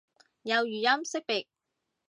有語音識別